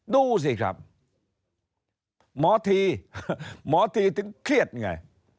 ดูสิครับหมอทีหมอทีถึงเครียดไง